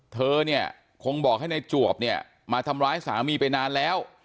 เธอเนี่ยคงบอกให้ในจวบเนี่ยมาทำร้ายสามีไปนานแล้ว